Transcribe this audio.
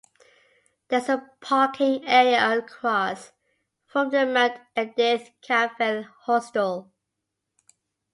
There is a parking area across from the Mount Edith Cavell Hostel.